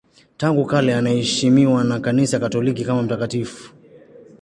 Tangu kale anaheshimiwa na Kanisa Katoliki kama mtakatifu.